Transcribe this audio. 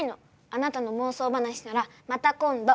あなたのもう想話ならまた今度。